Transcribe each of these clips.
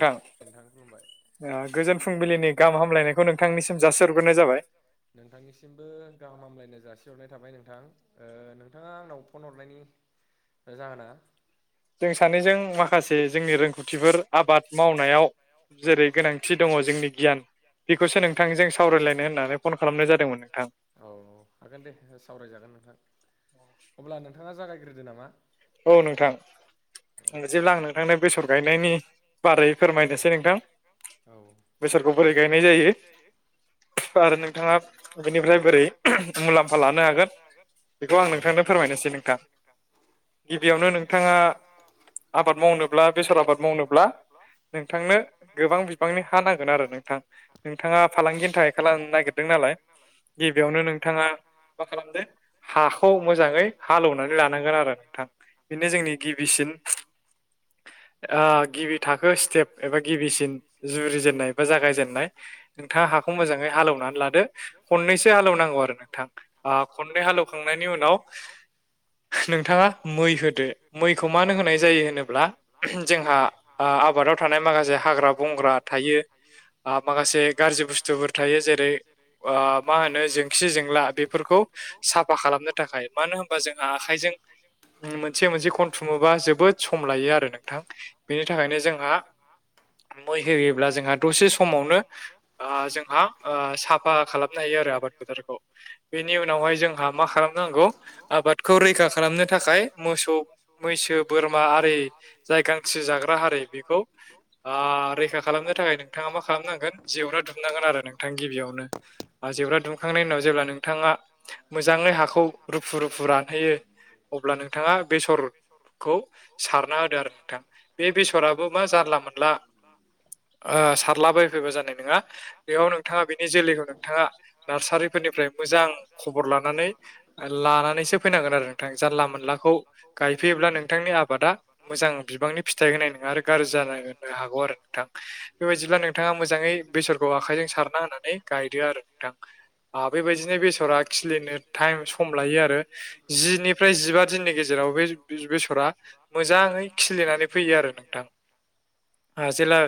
नोंथां गोजोन ओ-फुंबिलिनि गाहाम हामलायनायखौ नोंथांनिसिम जाासहग्रोनाय जाबाय। नोंथांनिसिमबो गाहाम हामलायनाय जासिहरनाय थाबाय नोंथां। ओ-नोंथाङा आंनाव फन हरनायनि जाहोना। जों सानैजों माखासे जोंनि रोंगौथिफोर आबाद मावनायाव। जेरै गोनांथि दङ जोंनि गियान बेखौसो नोंथांजों सावरायलायनो होननानै फन खालामनाय जादोंमोन नोंथां औ हागोन दे सावरायजागोन नोंथां अब्ला नोंथाङा जागायग्रोदो नामा औ नोंथां जेब्ला आं नोंथांनो बेसर गायनायनि बारै फोरमायनोसै नोंथां औ बेसरखौ बोरै गायनाय जायो आर नोंथाङा बेनिफ्राय बोरै मुलाम्फा लानो हागोन बेखौ आं नोंथांनो फोरमायनोसै नोंथां गिबियावनो नोंथाङा आबाद मावनोब्ला बेसर आबाद मावनोब्ला नोंथांनो गोबां बिबांनि हा नांगोन आरो नोंथां नोंथाङा फालांगिनि थाखाय खालामनो नागिरदों नालाय गिबियावनो नोंथाङा मा खालामदो हाखौ मोजाङै हालौवनानै लानांगोन आरो नोंथां बेनो जोंनि गिबिसिन ओ गिबि थाखो स्टेप एबा गिबिसिन जुरिजेननाय बा जागायजेननाय नोंथाङा हाखौ मोजाङै हालेवनानै लादो खननैसो हालौनांगौ आरो नोंथां ओ खननै हालेवखांनायनि उनाव नोंथाङा मै होदो मैखौ मानो होनाय जायो होनोब्ला जे जोंहा ओ आबादाव थानाय माखासे हाग्रा बंग्रा थायो माखासे गाज्रि बुस्थुफोर थायो जेरै ओ मा होनो जेंखि जेंला बेफोरखौ फोरखौ साफा खालामनो थाखाय मानो होनोबा जोंना आखाइजों मोनसे मोनसे खनथुमोबा जोबोद सम लायो आरो नोंथां बेनि थाखायनो जोंहा मै होयोब्ला जोंहा दसे समावनो ओ जोंहा ओ साफा खालामनो हायो आरो आबाद फोथारखौ बेनि उनावहाय जोंहा मा खालामनांगौ आबादखौ रैखा खालामनो थाखाय मोसौ मैसो बोरमा आरि जायगा मानसि जाग्रा हारि बेखौ ओ रैखा खालामनो थाखाय नोंथाङा मा खालामनांगोन जेवरा दु दुमनांगोन आरो नोंथां गिबियावनो बा जेवरा दुमखांनायनि उनाव जेब्ला नोंथाङा मोजाङै हाखौ रुफु रुफु रानहैयो अब्ला नो नोंथाङा बेसरखौ सारना होदो आरो नोंथां बे बेसराबो मा जानला मोनला ओ सारलाबायफैबा जानाय नङा बेयाव नोंथाङा बेनि जोलैखौ नोंथाङा नार्सारिफोरनिफ्राय मोजां खबर लानानै लानानैसो फैनांगोन आरो नोंथां जानला मानलाखौ गायफैयोब्ला नोंथांनि आबादा मोजां बिबांनि फिथाइ होनाय नङा आरो गाज्रि जानो हागौ आरो नोंथां बेबायदिब्ला नोंथाङा मोजाङै बेसर खौ आखाइजों सारना होनानै गायदो आरो नोंथां बेबायदिनो बेसरा खिलिनो टाइम सम लायो आरो जिनिफ्राय जिबा दिननि गेजेराव बे बेसरा मोजाङै खिलिनानै फैयो आरो नोंथां जेला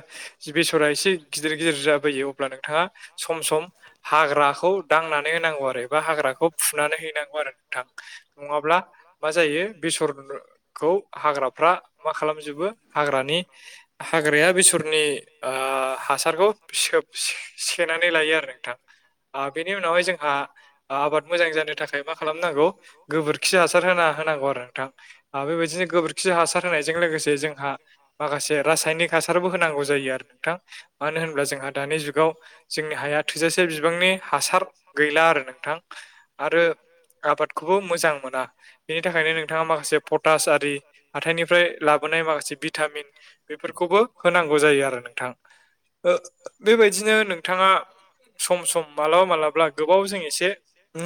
बेसरा एसे गिदिर गिदिर जाबोयो अब्ला नोंथाङा सम सम हाग्राखौ दांनानै होनांगौ आरो एबा हाग्राखौ फुनानै हैनांगौ आरो नोंथां नङाब्ला मा जायो बेसरफोरखौ हाग्राफ्रा मा खालाम जोबो हाग्रानि हाग्राया बेसरनि ओ हासारखौ सोब से सेेनानै लायो आरो नोंथां ओ बेनि उनावहाय जोंहा आबाद मोजां जानो थाखाय मा खालामनांगौ गोबोरखि हासार होना होनांगौ आरो नोंथां ओ बेबायदिनो गोबोरखि हासार होनायजों लोगो लोगोसे जोंहा माखासे रासायनिक हासारबो होनांगौ जायो आरो नोंथां मानो होनोब्ला जोंहा दानि जुगाव जोंनि हाया थोजासे बिबांनि हासार गैला आरो नोंथां आरो आबाद खौबो मोजां मोना बेनि थाखायनो नोंथाङा माखासे पटास आरि हाथाइनिफ्राय लाबो [unintelligible] माखासे भिटामिन बेफोरखौबो होनांगौ जायो आरो नोंथां ओ बेबायदिनो नोंथाङा सम सम मालाबा मालाब्ला गोबाव जों एसे उ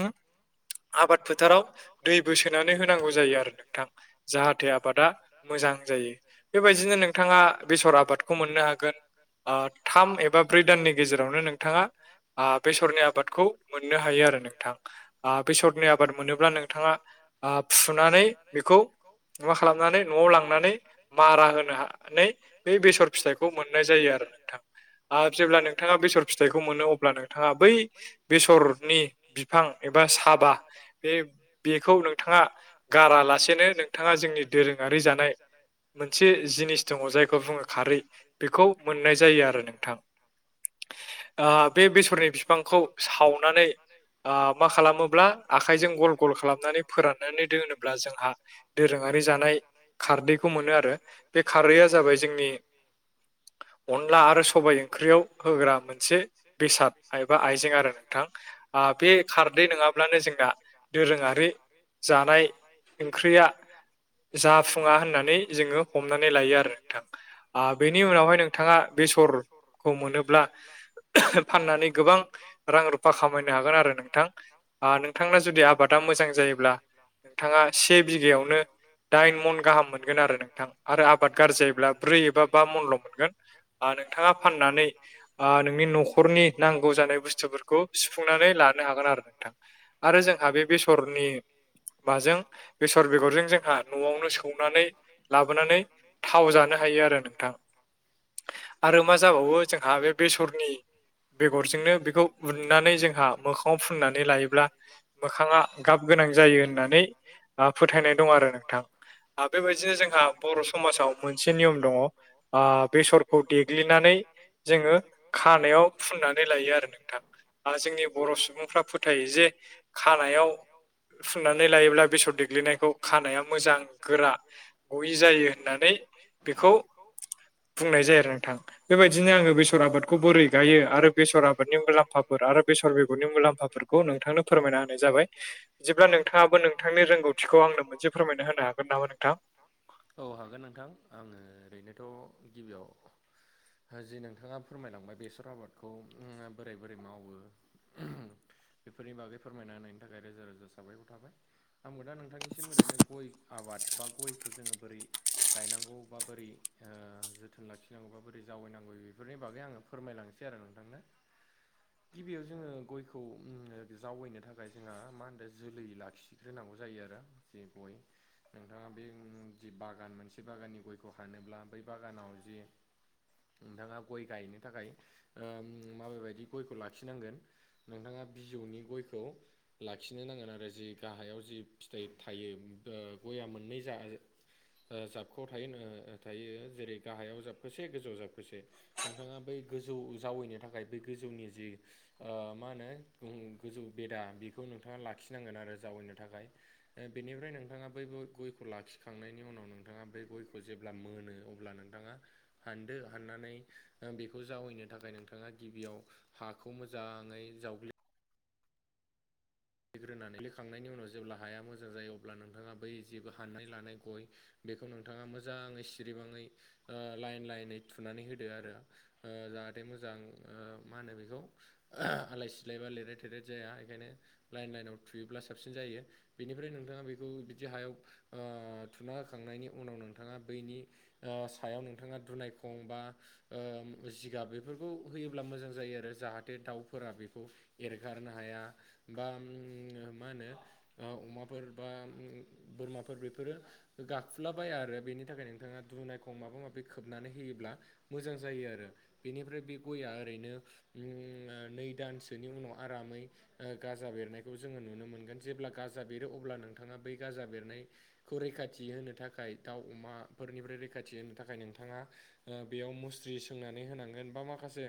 आबाद फोथाराव दैबो सोना नै होनांगौ जायो आरो नोंथां। जाहाथे आबादा मोजां जायो। बेबायदिनो नोंथाङा बेसर आबादखौ मोननो हागोन आ थाम एबा ब्रै दाननि गेजेरावनो नोंथाङा आ बेसरनि आबादखौ मोननो हायो आरो नोंथां। आ बेसरनि आबाद मोनोब्ला नोंथाङा फुनानै बेखौ मा खालामनानै न'आव ला लांनानै मारा होनो नानै बे बेसर फिथाइखौ मोननाय जायो आरो नोंथां। आ जेब्ला नोंथाङा बेसर फिथाइखौ मोनो अब्ला नोंथाङा बै बेसर नि फां एबा साबा बे बेखौ नोंथाङा गारालासेनो नोंथाङा जोंनि दोरोङारि जा [unintelligible] मोनसे जिनिस दङ जायखौ बुङो खारै बेखौ मोननाय जायो आरो नोंथां। आ बे बेसरनि बिफांखौ सावनानै आ मा खालामोब्ला आखाइजों गल गल खालामनानै फोराननानै दोनोब्ला जोंहा दोरोङारि जानाय खारदै खौ मोनो आरो बे खारैआ जाबाय जोंनि अनला आरो सबाइ ओंख्रियाव होग्रा मोनसे बेसाद एबा आइजें आरो नोंथां। आ बे खारदै नङाब्लानो जोंना दोरोङारि जानाय ओंख्रिया जाफुङा होननानै जोङो हमनानै लायो आरो नोंथां। बेनि उनावहाय नोंथाङा बेसर खौ मोनोब्ला फाननानै गोबां रां रुफा खामायनो हागोन आरो नोंथां। आ नोंथांना जुदि आबादा मोजां जायोब्ला नोंथाङा से बिघायावनो दाइन मन गाहाम मोनगोन आरो नोंथां। आरो आबाद गाज्रि जायोब्ला ब्रै एबा बा मनल' मोनगोन। आ नोंथाङा फाननानै नोंनि न'खरनि नांगौ जानाय बुस्थुफोरखौ। सुफुंनानै लानो हागोन आरो नोंथां। आरो जोंहा बे बेसरनि माजों बेसर बेगरजों जोंहा न'आवनो स सौनानै लाबोनानै थाव जानो हायो आरो नोंथां। आरो मा जाबावो जोंहा बे बेसरनि बेगरजोंनो बेखौ उननानै जोंहा मोखाङाव फुननानै लायोब्ला मोखाङा गाबगो गाब गोनां जायो होननानै मा फोथायनाय दं आरो नोंथा। बेबायदिनो जोंहा बर' समाजाव मोनसे नियम दङ आ बेसरखौ देग्लिनानै जोङो खानायाव फुननानै लायो आरो नोंथां। जोंनि बर' सुबुंफ्रा फोथायो जे खानायाव फुननानै लायोब्ला बेसर देग्लिनायखौ खानाया मोजां गोरा गयि जायो होननानै बेखौ बुंनाय जायो आरो नोंथां बेबायदिनो आङो बेसर आबादखौ बोरै गायो आरो बेसर आबादनि मुलाम्फाफोर आरो बेसर बेेगरनि मुलाम्फाफोरखौ नोंथांनो फोरमायना होनाय जाबाय। बिदिब्ला नोंथाङाबो नोंथांनि रोंगौथिखौ आंनो मोनसे फोरमायना होनो हागोन नामा नोंथां? औ हागोन नोंथां। आङो ओरैनोथ' गिबियाव जि नोंथाङा फोरमायलांबाय बेसर आबादखौ बोरै बोरै मावो [inaudible] बेफोरनि बागै फोरमायना होनायनि थाखाय रोजा रोजा साबायखर थाबाय। आंबो दा नोंथांनिसिम ओरैनो गय आबाद बा गयखौ जोङो बोरै गायनांगौ बा बोरै ओ जोथोन लाखिनांगौ बा बोरै जावैनांगौ बेफोरनि बागै आङो फोरमायलांनोसै सै आरो नोंथांनो। [inaudible] गिबियाव जोङो गयखौ जावैनो थाखाय जोंहा मा होनदो जोलै लाखिग्रोनांगौ जायो आरो। जे गय नोंथाङा बे जि बागान मोनसे बागाननि गयखौ हानोब्ला बै बागानाव जि नोंथांङा गय' गायनो थाखाय माबे बायदि गयखौ लाखिनांगोन। नोंथांङा बिजौनि गयखौ। लाखिनो नांगोन आरो जि गाहायाव जि फिथाइ थायो ग'या मोननै जा जाबखो से' थायो जेरै गाहायाव जाबखोसे गोजौआव जाबखोसे। नोंथांङा बै गोजौ जावैनो थाखाय बे गोजौनि जि मा होनो गोजौ बेदा बेखौ नोंथांङा लाखिनांगोन आरो जावैनो थाखाय। बेनिफ्राय नोंथांङा बै ग'यखौ लाखिखांनायनि उनाव नोंथांङा बे ग'यखौ जेब्ला मोनो अब्ला नोंथांङा हानदो हाननानै बेखौ जावैनो थाखाय नोंथांङा गिबियाव हाखौ मोजांङै जावग्लि लग्रोनानै लाखांनायनि उनाव जेब्ला हाया मोजां जायो। अब्ला नोंथाङा बै जेबो हानाय लानाय गय बेखौ नोंथांङा मोजांङै सिरिबाङै लाइन लाइनै थुनानै होदो आरो। जाहाथे मोजां मा होनो बेखौ आलाय सिलायबा लिरेथ थेरेथ जाया बेखायनो लाइन लाइनाव थुयोब्ला साबसिन जायो बेनिफ्राय नोंथांङा बेखौ बिदि हायाव थुना होखांनायनि उनाव नोंथांङा बैनि सायाव नोंथांङा दुनायखं बा जिगाब बेफोरखौ होयोब्ला मोजां जायो आरो जाहाथे दाउफोरा बेखौ एरगारनो हाया बा मा होनो अमाफोर बा बोरमाफोर बेफोरो। गाखुलाबाया आरो बेनि थाखाय नोंथांङा दुनायखौ माबा माबि खोबनानै होयोब्ला मोजां जायो आरो। बेनिफ्राय बे ग'य आ ओरैनो नै दानसोनि उनाव आरामै गाजा बेरनायखौ जोंङो नुनो मोनगोन जेब्ला गाजा बेरो अब्ला नोंथांङा बै गाजा बेरनाय खौ रैखाथि होनो थाखाय दाउ अमाफोरनिफ्राय रैखाथि होनो थाखाय नोंथांङा बेयाव मुस्रि सोंनानै होनांगोन बा माखासे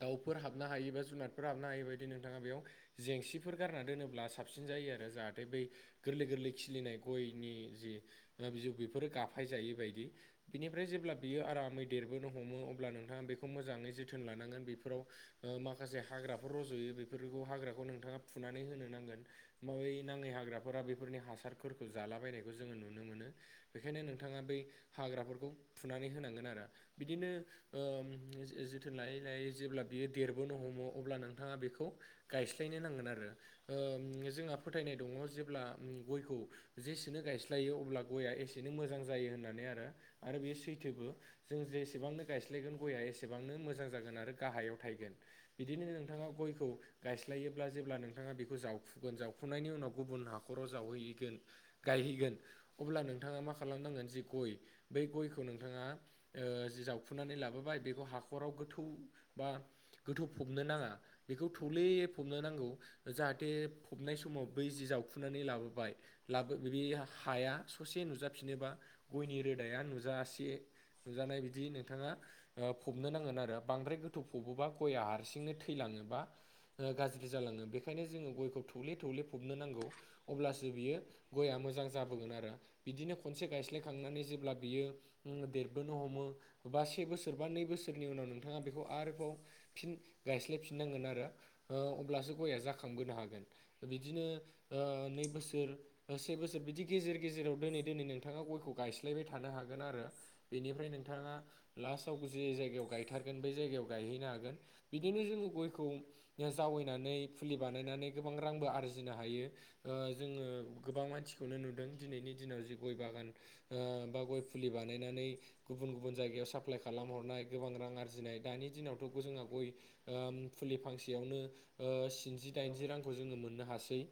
दाउफोर हाबनो हायोबा जुनारफोर हाबनो हायि बायदि नोंथांङा बेयाव जेंसिफोर गारना दोनोब्ला साबसिन जायो आरो जाहाथे बै गोरलै गोरलै खिलिनाय ग'यनि जि माबा बिजौ बेफोरो गाफाय जायै बायदि बिनिफ्राय जेब्ला बियो आरामै देरबोनो हमो अब्ला नोंथांङा बेखौ मोजांङै जोथोन लानांगोन बेफोराव माखासे हाग्राफोर रज'यो बेफोरखौ हाग्राखौ नोंथांङा फुनानै होनो नांगोन। माबै नांङै हाग्राफोरा बेफोरनि हासारफोरखौ जालाबायनाय खौ जोंङो नुनो मोनो। बेखायनो नोंथांङा बै हाग्राफोरखौ फुनानै होनांगोन आरो बिदिनो जोथोन लायै लायै जेब्ला बियो देरबोनो हमो अब्ला नोंथांङा बेखौ गायस्लायनो नांगोन आरो जोंहा फोथायनाय दंङ जेब्ला ग'य खेव जेसेनो गायस्लायो अब्ला गया एसेननो मोजां जायो होननानै आरो आरो बे सैथोबो। जों जेसेबांनो गायस्लायगोन ग'य आ एसेबांनो मोजां जागोन आरो गाहायाव थायगोन। बिदिनो नोंथांङा ग'य खौ गायस्लायोब्ला जेब्ला नोंथांङा बेखौ जावखुगोन जावखुनायनि उनाव गुबुन हाखराव जावहैगोन गायहैगोन अब्ला नोंथांङा मा खालामनांगोन जे ग'य बै गयखौ नोंथांङा जि जावखु नानै लाबोबाय बेखौ हाखराव गोथौ बा गोथौव फबनो नांङा बेखौ थले फबनो नांगौ जाहाथे फबनाय समाव बै जि जावखुनानै लाबोबाय लाबो बे हाया ससे नुजाफिनोबा गयनि रोदाया नुजासे नुजानाय बिदि नोंथांङा फबनो नांगोन आरो बांद्राय गोथौ फबोबा ग'य आ हारसिंनो थैलांङोबा गाज्रि जालांङो बेखायनो जोंङो गयखौ थौले थौले फबनो नांगौव। अब्लासो बियो ग'या मोजां जाबोगोन आरो बिदिनो खनसे गायस्लाय खांनानै जेब्ला बियो देरबोनो हमो बा से बोसोर बा नै बोसोरनि उनाव नोंथांङा बेखौ आरोबाव फिन गायस्लाय फिननांगोन आरो अब्लासो ग'य आ जाखांबोनो हागोन। बिदिनो नै बोसोर से बोसोर बिदि गेजेर गेजेराव दोनै दोनै नोंथाङा गयखौ गायस्लायबाय थानो हागोन आरो। बेनिफ्राय नोंथाङा लास्टआव जे जायगायाव गायथारगोन बे जायगायाव गायहैनो हागोन बिदिनो जोंङो गयखौ जावैनानै फुलि बानायनानै गोबां रांबो आरजिनो हायो। ओ जोंङो गोबां मानसिखौनो नुदों दिनैनि दिनाव जे गय बागान बा गय फुलि बानायनानै गुबुन गुबुन जायगायाव साप्लाय खालामहरनाय गोबां रां आरजिनाय दानि दिनावथ' जोंहा गय फुलि फांसेयावनो स्निजि दाइनजि रांखौ जोंङो मोननो हासै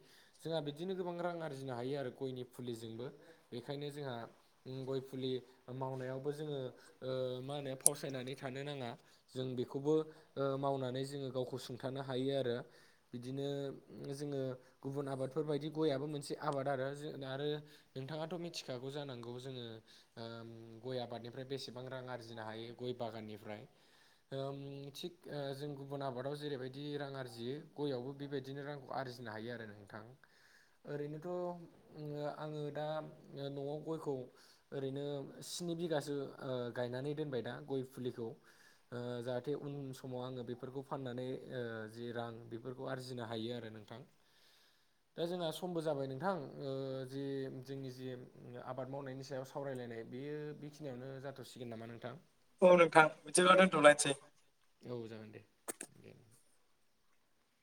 जोंहा बिदिनो गोबां रां आरजिनो हायो आरो गयनि फुलिजोंबो बेखायनो जोंहा गय फुलि मावनायावबो जोंङो मा होनो फावसायनानै थानो नाङा। जों बेखौबो मावनानै जोंङो गावखौ सुं थानो हायो आरो बिदिनो जोंङो गुबुन आबादफोर बायदि गयाबो मोनसे आबाद आरो जे आरो नोंथाङाथ' मिथिखागौ जानांगौ जोंङो ओ गय आबादनिफ्राय बेसेबां रां आरजिनो हायो गय बागाननिफ्राय ओम थिग जों गुबुन आबादाव जेरैबायदि बिदि रां आरजियो गयावबो बेबायदिनो रांखौ आरजिनो हायो आरो नोंथां। ओरैनोथ' आङो दा न'आव गयखौ ओरैनो स्नि बिगासो गायनानै दोनबाय दा गय फुलिखौ ओ जाहाथे उन समाव आङो बेफोरखौ फाननानै ओ जि रां बेफोरखौ आरजिनो हायो आरो नोंथां। [inaudible] दा जोंहा समबो जाबाय नोंथां ओ जे जोंनि जे आबाद मावनायनि सायाव सावरायलायनाय बेयो बेखिनियावनो जाथ'सिगोन नामा नोंथां औ नोंथां बिदिबा दोनथ लायनो सै औ जागोन दे दे